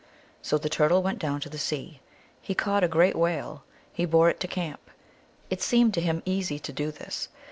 So the Turtle went down to the sea ; he caught a great whale, he bore it to camp ; it seemed to him easy to do this.